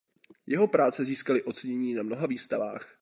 Jeho práce získaly ocenění na mnoha výstavách.